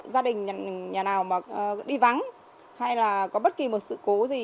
gia đình nhà nào mà đi vắng hay là có bất kỳ một sự cố gì